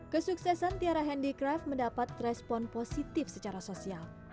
kesuksesan tiara handicraft mendapat respon positif secara sosial